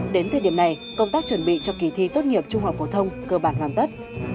đến thời điểm này công tác chuẩn bị cho kỳ thi tốt nghiệp trung học phổ thông cơ bản hoàn tất